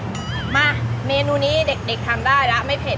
มาเมนูนี้เด็กทำได้แล้วไม่เผ็ด